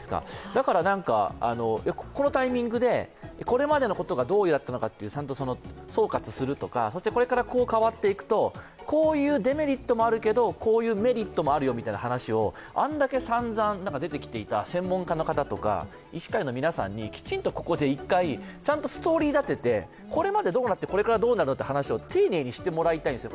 だから、このタイミングで、これまでのことがどうだったのか、ちゃんと総括するとか、それからこう変わっていくとこういうデメリットもあるけど、こういうメリットもあるよという話をあんだけ散々出てきていた専門家の方とか、医師会の皆さんに、きちんとここで１回、きちんとストーリー立ててこれまでどうで、これからはどうだという話を丁寧にしもらいたいんですよ。